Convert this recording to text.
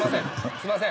すいません。